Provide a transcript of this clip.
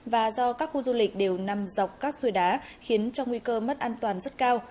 và do các khu du lịch đều nằm dọc các suối đá khiến cho nguy cơ mất an toàn rất cao